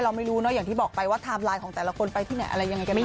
เราไม่รู้เนอะอย่างที่บอกไปว่าไทม์ไลน์ของแต่ละคนไปที่ไหนอะไรยังไงกันบ้าง